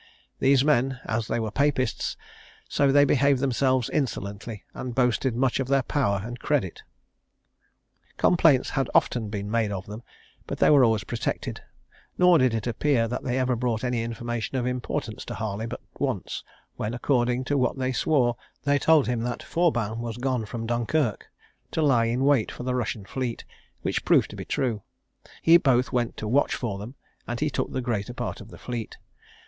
These men, as they were Papists, so they behaved themselves insolently, and boasted much of their power and credit. "Complaints had been often made of them, but they were always protected; nor did it appear that they ever brought any information of importance to Harley but once, when, according to what they swore, they told him that Fourbin was gone from Dunkirk, to lie in wait for the Russian fleet, which proved to be true; he both went to watch for them, and he took the greater part of the fleet.